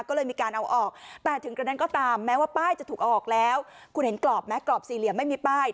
ก็เลยมีการเอาออกแต่ถึงกระนั้นก็ตามแม้ว่าป้ายจะถูกเอาออกแล้วคุณเห็นกรอบไหมกรอบสี่เหลี่ยมไม่มีป้าย